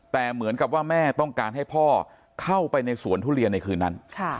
แต่เหมือนกับว่าแม่ต้องการให้พ่อเข้าไปในสวนทุเรียนในคืนนั้น